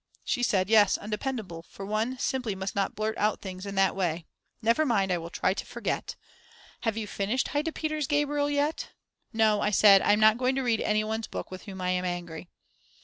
She said: Yes undependable, for one simply must not blurt out things in that way; never mind, I will try to forget. Have you finished Heidepeter's Gabriel yet? "No," I said, "I'm not going to read anyone's book with whom I'm angry."